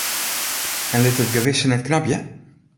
En lit it gewisse net knabje?